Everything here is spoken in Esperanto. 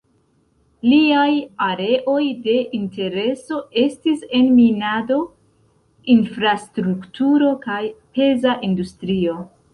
Liaj areoj de intereso estis en minado, infrastrukturo kaj peza industrio.